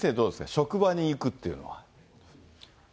職場に行くっていうのは。